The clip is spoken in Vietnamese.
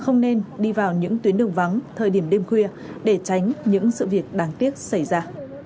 không nên đi vào những tuyến đường vắng thời điểm đêm khuya để tránh những sự việc đáng tiếc xảy ra